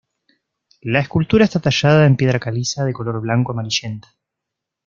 La escultura está tallada en piedra caliza de color blanco-amarillenta.